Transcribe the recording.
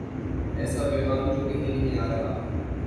ایسا پیغام جو کہیں سے نہیں آ رہا۔